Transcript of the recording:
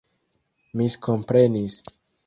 miskomprenis